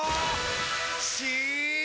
し！